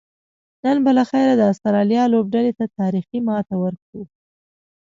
نن به لخیره د آسترالیا لوبډلې ته تاریخي ماته ورکوو